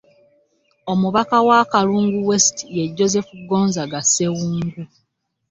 Omubaka wa Kalungu West, ye Joseph Gonzaga Ssewungu.